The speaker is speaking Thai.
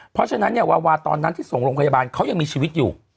เพราะฉะนั้นเนี่ยวาวาตอนนั้นที่ส่งโรงพยาบาลเขายังมีชีวิตอยู่